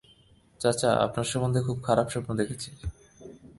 চাচা, আপনার সম্বন্ধে খুব খারাপ স্বপ্ন দেখেছি।